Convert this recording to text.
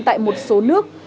tại một số nước